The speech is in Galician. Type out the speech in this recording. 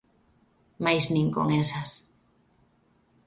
Mais nin con esas.